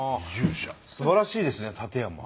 すばらしいですね館山。